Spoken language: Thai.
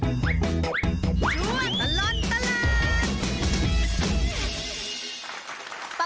ช่วงตลอดตลาด